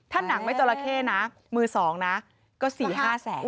ถ้าหนังไม่จราเข้นะมือ๒นะก็๔๕แสน